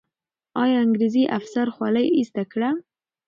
آیا انګریزي افسر خولۍ ایسته کړه؟